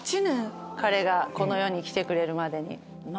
彼がこの世に来てくれるまでに。